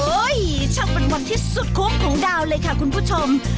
ช่างเป็นวันที่สุดคุ้มของดาวเลยค่ะคุณผู้ชม